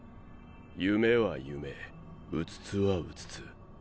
夢は夢うつつはうつつ。